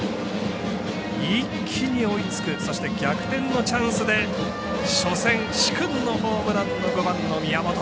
一気に追いつくそして逆転のチャンスで初戦、殊勲のホームランの５番の宮本。